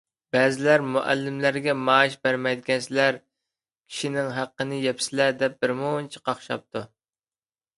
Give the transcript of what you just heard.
بەزىلەر: «مۇئەللىملەرگە مائاش بەرمەيدىكەنسىلەر، كىشىنىڭ ھەققىنى يەپسىلەر» دەپ بىرمۇنچە قاقشاپتۇ.